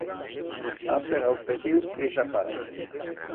Ha pegau un petiu y s'ha parau.